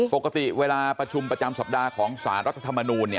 ปกติเวลาประชุมประจำสัปดาห์ของสารรัฐธรรมนูล